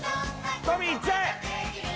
トミーいっちゃえ！